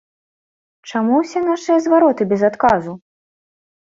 Чаму ўсе нашыя звароты без адказу?